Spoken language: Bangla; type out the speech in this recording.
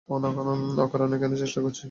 অকারণে কেন চেষ্টা করছি?